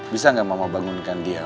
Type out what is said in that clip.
bisa nggak mama bangunkan dia